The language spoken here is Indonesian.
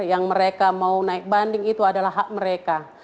yang mereka mau naik banding itu adalah hak mereka